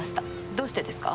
どうしてですか？